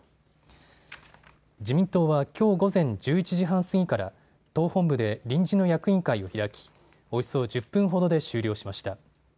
自民党はきょう午前１１時半過ぎから党本部で臨時の役員会を開きおよそ１０分ほどで終了しました。